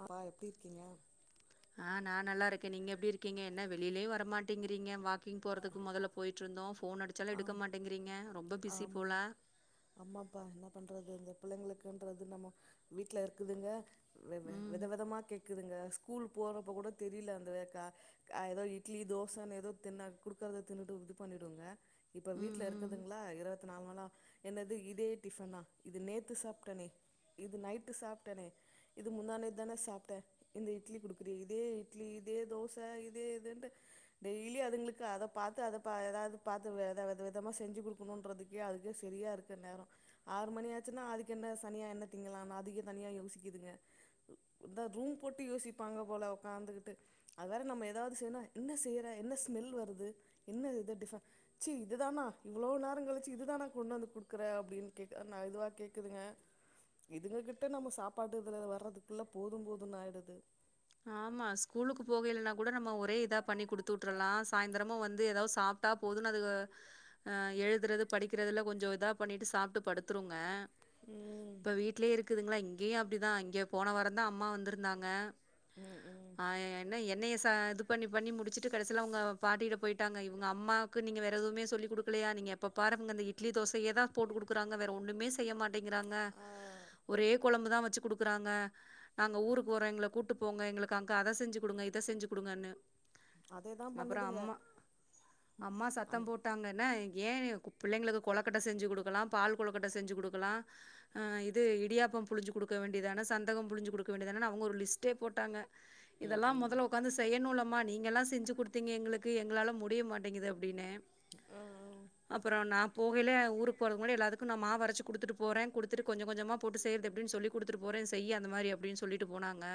ஆ ஆ எப்டி இருக்கீங்க ஆ நா நல்லா இருக்கே நீங்க எப்டி இருக்கீங்க என்ன வெளியிலயே வரமாட்டேங்குறீங்க வா கிங் போறதுக்கு முதல்ல போயிட்டு இருந்தோ ஃபோன் அடிச்சாலு எடுக்க ஆமா மாட்டேங்கிறீங்க ரொம்ப பிஸி போல அம்மாப்பா என்ன பண்றது இந்த பிள்ளைங்ளுக்குன்றது நம்மோ வீட்ல இருக்குதுங்க வே வே ம். வித விதமா கேக்குதுங்க ஸ்கூல் போறப்ப கூட தெரியல அந்த வுக்கா ஏதோ இட்லி தோசைு ன்னு ஏதோ தின்ன குடுக்கறத தின்னுட்டு இது பண்ணிடுங்க இப்ப ம், வீட்டுல இருக்கதுங் ம். கலா இர இப்ப நாங்களா என்னது இதே டிபன் ஆ இது நேத்து சாப்பிட்டனே இது நைட்டு சாப்பிட்டேனே இது முந்தா நேத்து தான சாப்பிட்டே இந்த இட்லி குடுக்குது இதே இட்லி இதே தோச இதே இதுன்ட்டு டெய்லி அதுங்ளுக்கு அத பாத்து அத பா ஏதாவது பாத்து வெத வெத விதமா செஞ்சு குடுக் னுணுன்றதுக்கே அதுக்கே செரியா இருக்கு நேரோ ஆறு மணியாச்சுன்னா அதுக்கு என்ன சனிய என்ன திங்கலானு அதிக்கே தனியா யோசிக்குதுங்க இத ரூம் போட்டு யோசிப்பாங்க போல உக்காந்துகிட்டு அது வேற நம்ம ஏதாவது செய்னா என்ன செய்ற என்ன ஸ்மெல் வருது என்ன இது டிஃபன் சி இது தானா இவ்ளோ நேரோ கழிச்சி இது தானா கொண்டு வந்து குடுக்குற அப்டின்னு கேக் நா இதுவா கேக்குதுங்க இதுங்க கிட்ட நம்ம சாப்பாடு இதுல வர்றதுக்குள்ள போது போதுன்னு ஆயிடுது ஆமா ஸ்கூலுக்கு போக இல்லன்னா கூட நம்ம ஒரே இதா பண்ணி குடுத்து உட்ரலா சாயந்தரமு வந்து ஏதாவ் சாப் ட்டா போதுன்னு அதுக ஆ எழுதுறது படிக்கிறதுல கொஞ்சோ இதா பண்ணிட்டு சாப்ட்டு படுத்துருங்க ம் இப்ப வீட்லயே இருக்குதுங்ளா இங்கயு அப்டிதா இங்க போன வாரந்தா அம்மா வந்துருந்தாங்க ம் ம் ஆ என்ன என்னய ச இது பண்ணி பண்ணி முடிச்சிட்டு கடசில அவங்க பாட்டிட்ட போயிட்டாங்க இவுங்க அம்மா க்கு நீங்க வேற எதுவுமே சொல்லி குடுக்கலயா நீங்க எப்ப பாரு அவ்ங்க இந்த இட்லி தோசயேதா போட்டு குடுக்கறாங்க வேற ஒண்ணுமே செ ய்ய மாட்டேங்குறாங்க ஆ ஒரே கொழம்புதா வச்சி குடுக்கறாங்க நாங்க ஊருக்கு வர்றோ எங்கள கூட்டு போங்க எங்களுக்கு அங்க அத செஞ்சி குடுங்க இத செஞ்சி குடுங்கன்னு அதேதான் அப்பறோ பண்ணுதுங்க அம்மா அம்மா அந் சத்தம் போட் டாங்க என்ன ஏ பிள்ளைங்களுக்கு கொலக்கட்ட செஞ்சி குடுக்கலா பால் கொலுக்கட்ட செஞ்சி குடுக்கலா ஆ இது இடியாப்போ புழுஞ்சி குடுக்க வேண்டிதான சந்தகம் புழுஞ்சி குடுக்க வேண்டிதானன்னு அவங்க ஒரு லிஸ்ட் டே போட்டாங்க ம் இதெல்லா ம் மொதல்ல உக்காந்து செய்யனுல்லம்மா நீங்கல்லா செஞ்சி குடுத்தீங்க எங்களுக்கு எங்களால முடிய மாட்டேங்கிது அப்டின்னே ஆ அப்பறோ நா போகைல ஊருக்கு போறதுக்கு முன்னாடி எல்லாத்துக்கு நா மாவரச்சி குடுத்துட்டு போறே குடுத்துட்டு கொஞ்ச கொஞ்சமா போட்டு செய்றது எப்டின்னு சொல்லி குடுத்துட்டு போறே செய்யி அந்த மாரி அப்டின் சொல்லிட்டு போனாங்க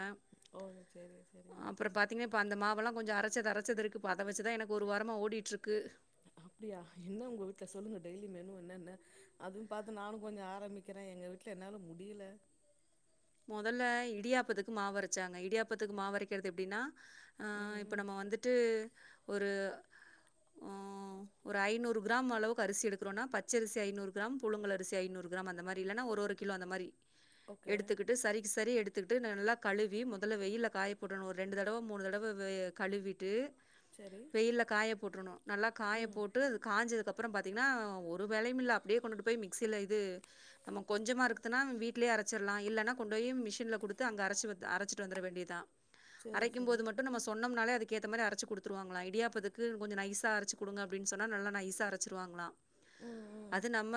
ஓகே சேரி சேரி அப்பறோ பாத்தீங்கன்னா இப்ப அந்த மாவல்லா கொஞ்சோ அரச்சது அரச்சது இருக்கு இப்போ அத வச்சிதா எனக்கு ஒரு வாரமா ஓடிட்டுருக்கு அப்டியா என்ன உங்க வீட்ல சொல்லுங்க டெய்லி மெனு என்ன என்ன அதுவு பாத்து நானு கொஞ்சோ ஆரம்மிக்கிறே எங்க வீட்ல என்னால முடியல மொதல்ல இடியாப்பத்துக்கு மாவரச்சாங்க இடியாப்பத்துக்கு மாவரைக்கர்து எப்டின்னா ஆ ம் இப்ப ம் நம்ம வந்துட்டு ஒரு ஆ ஒரு ஐநூறு கிராம் அளவுக்கு அரிசி எடுக்குறோன்னா பச்சரிசி ஐநூறு கிராம் புழுங்கலரிசி ஐநூறு கிராம் அந்த மாரி இல்லன்னா ஒரு ஒரு கிலோ அந்த மாரி ஓகே எடுத்துக்கிட்டு சரிக்கு சரி எடுத்துக்கிட்டு நல்லா கழுவி மொதல்ல வெயில்ல காய போடனு ஒரு ரெண்டு தடவ மூணு தடவ கழுவிட் ட்டு சரி வெயில்ல காய போட்றனு நல்லா காய ம் போட் டு அது காஞ்சதுக்கப்பறோ பாத்தீங்ன்னா ஒரு வேலயுமில்ல அப்டியே கொண்டுட்டு போய் மிக்சில இது நம்ம கொஞ்சமா இருக்குதுன்னா வீட்லயே அரச்சிர்லா இல்லன்னா கொண்டு போய் மிஷின்ல குடுத்து அங்க அரச்சி அரச்சிட்டு வந்துர வேண்டியதா சரி அரைக்கும் சரி போது மட்டு நம்ம சொன்னோம்னாலே அதுக்கு ஏத்த மாரி அரச்சி குடுத்துருவாங்களா இடியாப்பத்துக்கு கொஞ்சோ நைசா அரச்சி குடுங்க அப்டின் சொன்னா நல்லா நைசா அரச்சிருவாங்ளா ம் ம் அது நம்ம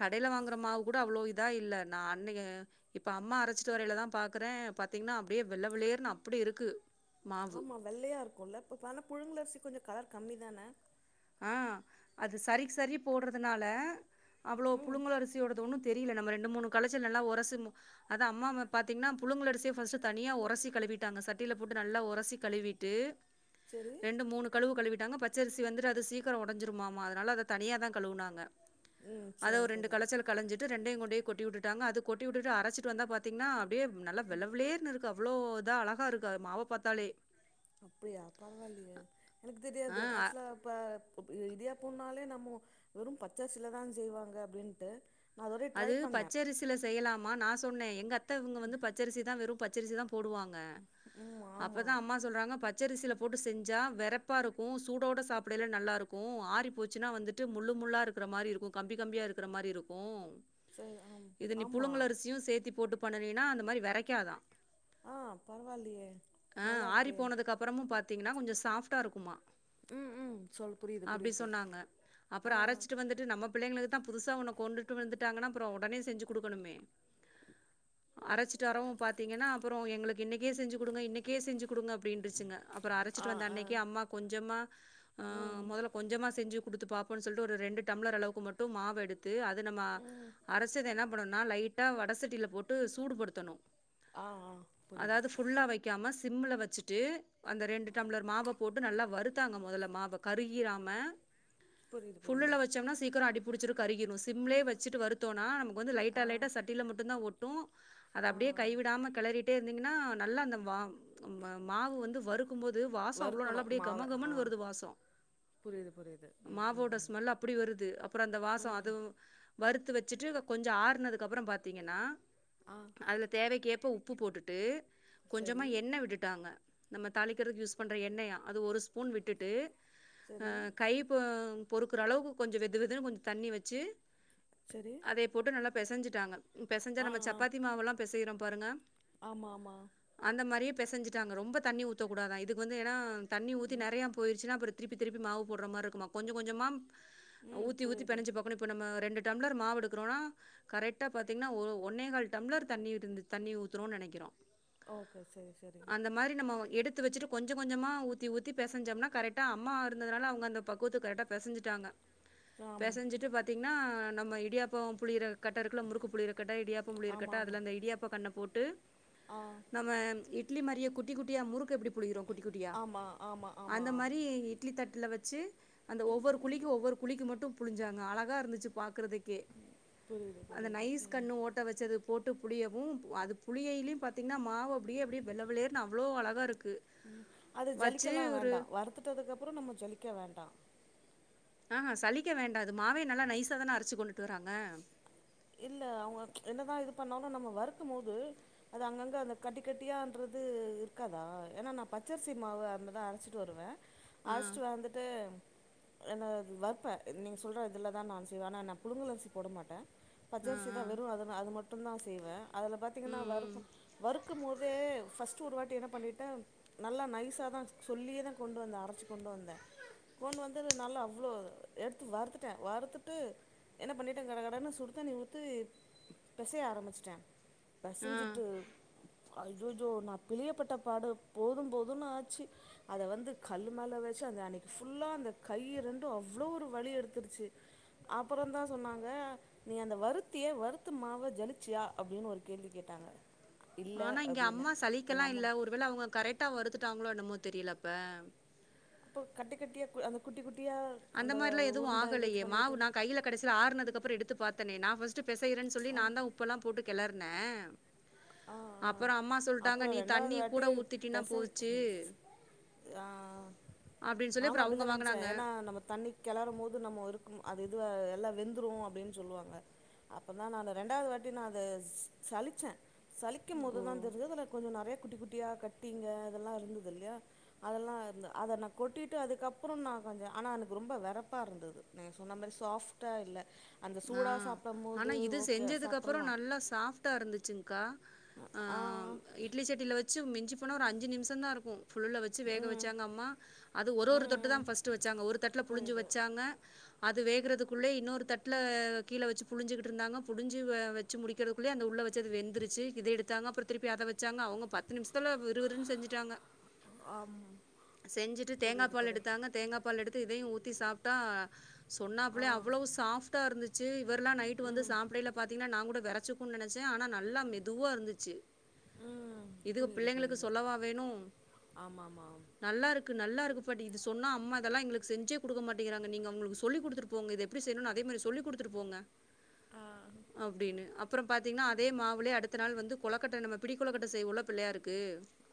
கடேல வாங்குற மாவு கூட அவ்ளோ இதா இல்ல நா அன்னிக்கே இப்ப அம்மா அரச்சிட்டு வரைலேதா பாக்குறே பாத்தீங்கன்னா அப்டியே வெள்ள வெளேர்ன்னு அப்டி இருக்கு மாவு. ஆமா வெள்ளயா இருக்குல்ல இப்ப ஆனா புழுங்கலரிசி கொஞ்சோ கலர் கம்மி தான ஆ அது சரிக்கி சரி போடுறதுனால அவ்ளோ ம் புழுங்க அரிசியோடது ஒண்ணு தெரியல நம்ம ரெண்டு மூணு கலைச்சல் நல்லா ஒரசிர்னு அத அம்மாவ பாத்தீங்கன்னா புழங்கல் அரிசிய ஃபர்ஸ்டு தனியா உரசி கழுவிட்டாங்க சட்டில போட்டு நல்லா உரசி கழுவிட் ட்டு சரி ரெண்டு மூணு கழுவு கழுவிட்டாங்க பச்சரிசி வந்து ந்து அது சீக்கரோ ஒடஞ்சுரூமாம்மா அதுனால அத தனியா தா கழுவுனாங்க ம் அத சரி ஒரு ரெண்டு சரி கலச்சலக்கு கலஞ்சிட்டு ரெண்டையு கொண்டே கொட்டி வுட்டுட்டாங்க அது கொட்டி வுட்டுட்டு அரச்சுட்டு வந்தா பாத்தீங்கனா அப்டியே நல்லா வெள்ள வெள்ரேர்னு இருக் அது அவ்ளோ இதா அழகா இருக்கு அது மாவ பாத்தாலே அப்டியா பரவாயில்லையே எனக்கு தெரியாது ஆ ஆக்சுவலா இப்ப இது இடியாப்போன்னாலே நம்ம வெறும் பச்சரிசிலதான் செய்வாங்க அப்டின்ட்டு நா அதோடய ட்ரை அது பண்ணே பச்சரிசியில செய்யலாமா நா சொன்னே எங்க அத்த இவுங்க வந்து பச்சரிசி தா வெறும் பச்சரிசி தா போடுவாங் க ம் ஆமா அப்பதா அம்மா சொல்றாங்க பச்சரிசியில போட்டு செஞ்சா வெரப்பா இருக்கு சூடோட சாப்புடைல நல்லா இருக்கு ஆரி போச்சுனா வந்துட்டு ட்டு முள்ளு முள்ளா இருக்குற மாரி இருக்கு கம்பி கம்பியா இருக்குற மாரி இருக்கு சரி ஆமா இது நீ புழுங்கல் அரிசியு சேர்த்தி போட்டு பண்ணுனீனா அந்த மாரி வெரைக்காதா ஆ பரவாயில்லையே நல்லா ஆறி இருக்கே போனதுக்கு அப்புறமும் பார்த்திங்கன்னா கொஞ்ச சாஃப்டா இருக்குமா ம் ம் சொல் புரியுது அப்டி புரியுது சொன்னாங்க ஆ அப்பறோ அரச்சுட்டு வந்துட்டு நம்ம பிள்ளைங்களுக்கு தா புதுசா ஒண்ணு கொண்டுட்டு வந்துட்டாங்கன்னா அப்பறோ ஒடனே செஞ்சு குடுக்கணுமே அரச்சுட்டு வறவும் பார்த்தீங்கன்னா அப்பறோ எங்களுக்கு இன்னக்கே செஞ்சு குடுங்க இன்னக்கே செஞ்சு குடுங்க. அப்டிரிஞ்சுங்க அப்பறோ ஆ அரச்சுட்டு வந்த ஆ அன்னைக்கே அம்மா கொஞ்சமா அ ம் மொதல கொஞ்சமா செஞ்சு குடுத்து பாப்போம்னு சொல்ட்டு ஒரு ரெண்டு டம்ளர் அளவுக்கு மட்டு மாவு எடுத்து அது நம்ம ம் அரச்சத என்னப் பண்ணுன்னா லைட்டா வட சட்டில போட்டு சூடு படுத்தணு ஆ ஆ புரியுது அதாவது ஃபுல்லா வைக்காம சிம்முல வச்சுட்டு அந்த ரெண்டு டம்ளர் மாவ போட்டு நல்லா வருத்தாங்க மொதல்ல மாவ கருகிராம புரியுது ஃபுல்லுல புரியுது வச்சம்னா சீக்கரோ அடிப்புடிச்சுரு கருகிரு சிம்லயே வச்சுட்டு வறுத் தோனா நமக்கு வந்து லைட்டா ஆ லைட்டா சட்டியில மட்டுந்தா ஒட்டு அது ஆ அப்டியே கைவிடாம கெளறிட் டே இருந்தீங்கன்னா நல்லா அந்த மா மாவு வந்து வறுக் வறுக்கும் போது வாசோ அவ்ளோ வறுக்கணு நல்லபடியா மாவ ஆ கமகமன்னு வருது வாசோ புரியுது புரியுது ம் ம் மாவோட ம் ஸ்மெல் அப்புடி வருது அப்பறோ அந்த வாசோ ம் அதுவும் வறுத்து வச்சுட்டு கொஞ்ச ஆருனதுக்கு அப்பறோ பாத்தீங்கென்னா ஆ அதுல தேவைக்கேற்ப உப்பு போட்டுட்டு கொஞ்சமா சரி எண்ணெய் விட்டுட்டாங்க நம்ம தாளிக்கிறதுக்கு யூஸ் பண்ற எண்ணெயா அது ஒரு ஸ்பூன் விட்டுட்டு அ சரி கை பொ பொறுக்குற அளவுக்கு கொஞ்ச வெது வெதுன்னு கொஞ்ச தண்ணி வச்சு சரி இதே போட்டு நல்லா பெசஞ்சுட்டாங்க பெசஞ்சா ஆ நம்ம ஆ சப்பாத்தி மாவெல்லா பெசயிறோம் பாருங்க. ஆமா ஆமா அந்த மாரியே பெசஞ்சுட்டாங்க ரொம்ப தண்ணி ஊத்தக் கூடாதா இதுக்கு வந்து ஏன்னா தண்ணி ஊத்தி ம் நெறையா போயிருச்சுனா அப்பறோ திருப்பி திருப்பி மாவு போடுற மார் இருக்குமா கொஞ்ச கொஞ்சமா ம் ஊத்தி ஊத்தி புரியுது பெனஞ்சு பாக் போனு இப்ப நம்ம ரெண்டு டம்ளர் மாவு எடுக்குறோன்னா கரெக்டா பாத்தீங்கன்னா ஒரு ஒன்னே கால் டம்ளர் தண்ணி ஊத்திருந்தது தண்ணி ஊத்துரோன் நெனைக்கிறோ ஓகே சரி சரி அந்த மாரி நம்ம எடுத் த்து வச்சுட்டு கொஞ்ச கொஞ்மா ஊத்தி ஊத்தி பெசஞ்சம்னா கரெக்ட்டா அம்மா இருந்ததுனால அவுங்க அந்த பக்குவத்துக்கு கரெக்ட்டா பெசஞ்சுட்டாங்க ஆம் பெசஞ்சிட்டு பாத்தீங்னா நம்ம இடியாப்போம் புழியிற கட்ட இருக்குல்ல முறுக்கு புளியிர கட்ட இடியாப்பம் புளியுர ஆமா கட்டா ஆமா அதுல இந்த இடியாப்பா கன்ன போட்டு ஆ நம்ம இட்லி மாரியே குட்டி குட்டியா முறுக்கு எப்புடி புழியிறோ குட்டி குட்டியா ஆமா ஆமா அந்த ஆமா மாரி இட்லி தட்டுல வெச்சு அந்த ஒவ்வொரு குழிக்கு ஒவ்வொரு குழிக்கு மட்டு புழுஞ்சாங்க அழகா இருந்துச்சு பாக்கெறதுக்கே புரியுது அந்த புரியுது நைஸ் ம் கண்ணு ஓட் பட்ட வெச்சது போட்டு புழியவு அது புழியைலயு பாத்தீங்கன்னா மாவு அப்பிடியே அப்பிடியே வெள்ள வெளேர்ன்னு அவ்ளோ அழகா இருக்கு அது ஜலிக்க எல்லா வேண்டா வறுத்துட்டுக்கு அப்பறொம் நம்ம ஜெலிக்க வேண்டா ஆஹா சலிக்க வேண்டா மாவே நல்லா நைஸா தான அரச்சு கொண்டுட்டு வராங்க இல்ல அவ்ங்க என்னதா இது பண்ணாலு நம்ம வறுக்கும் போது அது அங்கங்க அந்த கட்டி கட்டியான்றது இருக்காதா எனா நா பச்சரிசி மாவு அன்னதா அரச்சு ட்டு வருவ ஆ அர்ச்சுட்டு வந்துட்டு என வறுப்பே நீங்க சொல்ற இதுலதா நான் செய்வே ஆனா நா புழுங்குல் அரிசி போட மாட்ட ஆ பச்சரிசி ஆ தா வெறு அத அது மட்டுந்தா செய்வ அதுல பாத்தீங்கென்னா ம் ம் வறுப்பட் வறுக்கும் போதே ஃபஸ் ட் ஒரு வாட்டி என்ன பண்ணிட்டே நல்லா நைஸா தா சொல்லியேதா கொண்டு வந்த அரச்சு கொண்டு வந்த கொண்டு வந்தது நல்லா அவ்ளோ எடுத்து வறுத்துட்டே வறுத்துட்டு என்ன பண்ணிட்டே கட கடனு சுடு சுடுதண்ணி ஊத்தி பெசைய ஆரம்பிச்சுட்டே ஆ பெசஞ்சுட்டு அய்சச்சோ நா பிழியப்பட்ட பாடு போதும் போதும்னு ஆச்சு அத வந்து கல்லு மேல வெச்சு அத அன்னெக்கி ஃபுல்லா அந்த கைய்யு ரெண்டு அவ்ளோ ஒரு வலி எடுத்துருச்சு அப்பறொந்தா சொன்னாங்க நீ அந்த வறுத்தியே வறுத்த மாவ ஜலிச்சியா அப்டின்னு ஒரு கேள்வி கேட்டாங்க இல்லை ஆனா இங்க அப்படின்னு அம்மா சலிக்கெல்லா எங்கள் அம்மா இல்ல ஒருவேள அவ்ங்க கரெட்டா வறுத்துட்டாங்களோ என்னமோ தெரில அப்ப அப்போ கட்டி கட்டியா இருக்குல் அந்த குட்டி குட்டியா அந்த மாரெல்லா எது ஆகலையே மாவு நா கைல கடசில ஆற்னதுக்கப்றொ எடுத்து பாத்தனே நா ஃபஸ்ட்டு பெசயறென்னு சொல்லி நாந்தா உப்பெல்லா போட்டு கெளறுனே ஆ ஆ அப்பொறோ "நீ ரெண்டாவது தண்ணி வாட்டி கூட ஊத்திட்டின்னா பெச போச்சு" ஆ ஆ அப்படின்னு சொல்லி நானு அப்புறம் அப்டித்தா அவங்க நெனச்ச வாங்குனாங்க. எனா, நம்ம தண்ணி கெளறும்போது நம்மொ இருக்கும் அது இது வ எல்லா வெந்துறு அப்டின்னு சொல்லுவாங்க அப்பதா நானு ரெண்டாவுது வாட்டி நா அது சலுச்சே சலிக்கும் போதுதா ஓ! தெருஞ்சுது அதுல கொஞ்சொ நறையா குட்டி குட்டியா கட்டிங்க அதெல்லா இருந்தது இல்லெய்யா அதெல்லா இருந்த அத நா கொட்டிட்டு அதுக்கப்பறோ நானு கொஞ்சொ ஆனா எனக்கு ரொம்ப வெறப்பா இருந்தது நீங்க சொன்ன மாரி சாஃப்ட்டா இல்ல அந்த ஆ. சூடா சாப்டம் போது ஆனா, இது ஓகே சாப்ட்றலா செஞ்சதுக்கப்புறம் நல்லா சாஃப் ட்டா இருந்துச்சுங்க்கா ஆ இட்லி சட்டில வெச்சு மிஞ்சு போனா ஒரு அஞ்சு நிம்ஷொந்தா இருக்கு ஃபுல்ல வெச்சு ஆ வேக ம் வெச்சாங்க அம்மா அது ஒரு ஒரு ம் தட்டுதா ம் ஃபர்ஸ்ட் வெச்சாங்க ஒரு தட்டுல புழுஞ்சு புரியுது வெச்சாங்க அது வேகறதுக்குள்ளே இன்னொரு தட் ல கீழ வெச்சு புழுஞ்சுகிட்டு இருந்தாங்க புழுஞ்சு வெ வெச்சு முடிக்கெறதுக்குள்ளே அந்த உள்ள வெச்சது வெந்தருச்சு இத எடுத் நாங்க அப்பறோ திருப்பி அத வெச்சாங்க அவ்ங்க பத்து நிம்ஷத்துல விறு விறுனு செஞ்சுட்டாங்க ஆம் செஞ்சுட்டு தேங்கா புரியுது பால் புரியுது எடுத்தாங்க தேங்கா பால் எடுத்து இதயு ஊத்தி சாப்ட்டா ஆ சொன்னாப்புலே அவ்ளோவு சாஃப் ட்டா இருந்துச்சு இவரெல்லா நைட்டு வந்து ம் சாப்டையில பாத்தீங்கன்னா நா கூட வெறச்சுக்கும்னு நனச்சே ஆனா நல்லா மெதுவா இருந்துச்சு ம் இது புரியுது பிள்ளெங்களுக்கு புரியுது சொல்லவா வேணு ஆமா ஆமா நல்லாருக்கு நல்லாருக்கு பாட்டி இது சொன்னா அம்மா இதெல்லா எங்களுக்கு செஞ்சே குடுக்க மாட்டேங்கெறாங்க நீங்க அவ்ங்களுக்கு சொல்லி குடுத்துட்டு போங்க இது எப்பிடி செய்ணு அதே மாரி சொல்லி குடுத்துட்டு போங்க ஆ அப்டின்னு அப்பொறோ பாத்தீங்கன்னா அதே மாவுலே அடுத்த நாளு வந்து கொலக்கட்ட நம்ம பிடிக்கொலுக்கட்ட செய்வோல்ல பிள்ளையாருக்கு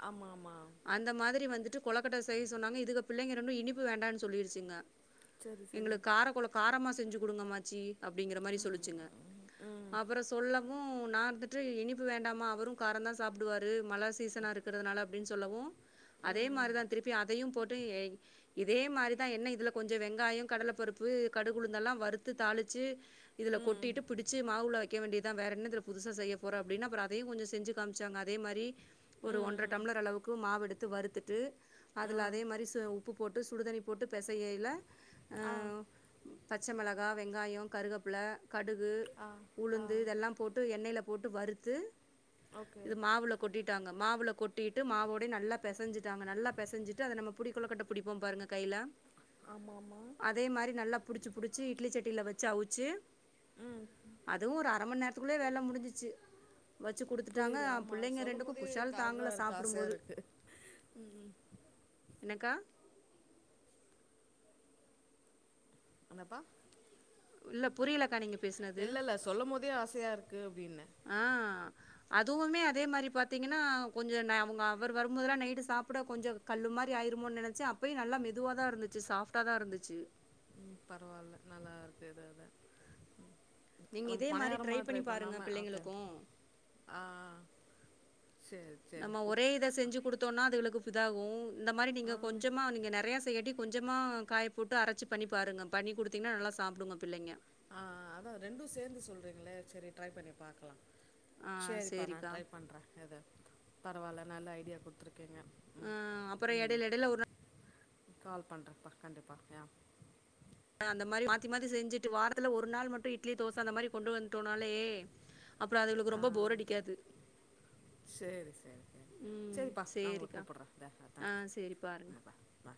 ஆமா ஆமா அந்த மாதிரி வந்துட்டு கொலக்கட்டை செய்ய சொன்னாங்க இதுக்கு பிள்ளைங்க ரெண்டு இனிப்பு வேண்டான்னு சொல்லிருச்சுங்க சரி சரி எங்களுக்கு காரகொழ காரமா செஞ்சு குடுங்க அம்மாச்சி அப்டிங்கிற மாரி சொல்லுச்சுங்க ம் அப்பறோ சொல்லவு நா இருந்துட்டு இனிப்பு வேண்டாமா அவரு காரோந்தா சாப்பிடுவாரு மழை சீசனா இருக்கிறதுனால அப்டின்னு சொல்லவு அதே ம் மாறிதா திருப்பி அதையு போட்டு ஏய் இதே மாறிதா என்ன இதுல கொஞ்சு வெங்காயோ கடல பருப்பு கடுகு உளுந்தெல்லா வறுத்து தாளிச்சு இதுல ம் கொட்டிட்டு பிடிச் சி மாவு உள்ள வெக்க வேண்டியதா வேற என்னதுல புதுசா செய்ய போற அப்படின்னு அப்றோ அதையு கொஞ்சு செஞ்சு காமிச்சாங்க அதே மாறி ஒரு ஒன்றரை ம் டம்ளர் அளவுக்கு மாவு எடுத்து வறுத்துட்டு ம் ஆ அதுல அதே மாறி ச உப் ப்பு போட்டு சுடுதண்ணி போட்டு பெசையயில்ல ஆ பச்ச மெளகா வெங்காயோ கருகப்புல கடுகு ஆ ஆ உளுந்து இதெல்லா போட்டு எண்ணெயில போட்டு வறுத்து ஓகே இது மாவுள கொட்டிட்டாங்க மாவுல கொட்டிட்டு மாவோடயே நல்லா பெசஞ்சிட்டாங்க நல்லா பெசஞ்சிட்டு அதை நம்ம புடிக்கொள்ளக்கட்ட புடிப்போம் பாருங்க கையில ஆமா ஆமா அதே மாறி நல்லா புடிச்சி புடிச்சி இட்லி சட்டியில வச்சு அவுச்சு உம் அதுவு ஒரு அர மணி நேரத்துக்குள்ளயே வேல முடிஞ்சிச்சு வச்சு குடுத்துட்டாங்க புரியுது ஆமா புள்ளைங்க சொல்லும் ரெண்டுக்கு போதே குஷால் க இதா தாங்கல இருக்கு சாப்டும் ஆசையா போது இருக்கு என்னக்கா என்னப்பா இல்ல புரியலக்கா நீங்க பேசுனது. இல்ல இல்ல சொல்லும் போதே ஆசையா இருக்கு அப்படின்ன ஆ அதுவுமே அதே மாறி பாத்தீங்கன்னா கொஞ்சு ந அவங்க அவரு வரும்போதல்லா நைட்டு சாப்பிட கொஞ்சு கல்லு மாறி ஆயிருமோன்னு நெனச்சே அப்பயு நல்லா மெதுவாதா இருந்துச்சு சாப்டா தா இருந்துச்சு ம் பரவால்ல நல்லா இருக்கு எதோ தா நீங்க நம் இதே மாரி பணையாரமா பண்ணி ட்ரை பாருங்க பண்ணாம ஓக்கே பிள்ளைங்களுக்கு. ஆ சேரி நம்ம ஒரே இத செஞ்சு குடுத்தோன்னா அதுகளுக்கு இதாகு இந்த மாறி ஆ நீங்க கொஞ்சமா நீங்க நெறையா செய்யாட்டி கொஞ்சமா காய போட்டு அரைச்சி பண்ணி பாருங்க பண்ணி குடுத்தீங்கன்னா நல்லா சாப்பிடுங்க பிள்ளைங்க அ அ அதா ரெண்டு சேந்து சொல்றீங்களே செரி ட்ரை பண்ணி பாக்கலா ஆ சேரிப்பா நா சரிக்கா. ட்ரை பண்றே எத பரவால்ல நல்ல ஐடியா குடுத்திருக்கீங்க ஆ அப்புறோ எடையில எடையில ஒரு நா கால் பண்றப்பா கண்டிப்பா யா அந்த மாறி மாத்தி மாத்தி செஞ்சுட்டு வாரத்துல ஒரு நாள் மட்டு இட்லி தோச அந்த மாறி கொண்டு வந்துட்டோனாலே அப்புறோ அதுகளுக்கு ரொம்போ போர் அடிக்காது சேரி சேரி சேரி ம் சரிப்பா நா உங்களுக்கு சரிக்கா. கூப்பிட்றே தே ஆ சரி பாருங்க. தேங்க்யூ பாய் வா